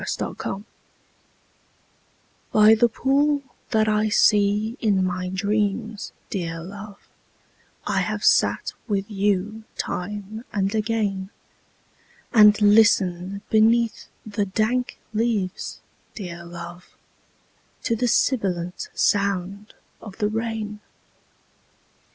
THE POOL By the pool that I see in my dreams, dear love, I have sat with you time and again; And listened beneath the dank leaves, dear love, To the sibilant sound of the rain.